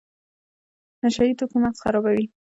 نشه یي توکي مغز خرابوي